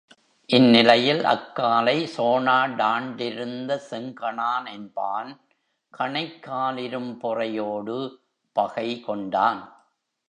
இந்நிலையில், அக்காலை சோணாடாண்டிருந்த செங்கணான் என்பான், கணைக்காலிரும்பொறை யோடு பகை கொண்டான்.